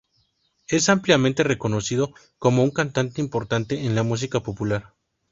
Es ampliamente reconocido como un cantante importante en la música popular.